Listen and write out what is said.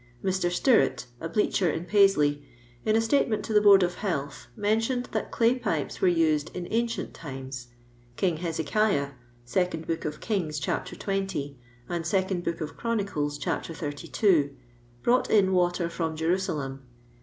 Mr. Stirrat, a bleacher in Paisley, in a statement is the Board of Health, mentioned that clay pipa were used in ancient times. King Hesebih (2nd Book of Kings, chap. 20, and 2nd Book sf (,'hronicles, chap. 32) brought in water from Je rusalem.